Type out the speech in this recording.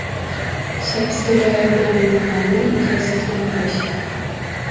Shaxsga doir ma’lumotlarni egasizlantirish